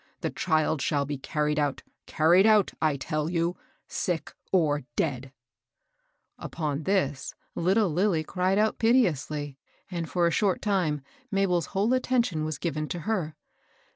The child shall be carried out, — carried out, I tell you, sick or deacL^^ Upon this, little Lilly cried out piteously, and, for a short time, Mabel's whole attention was given to her.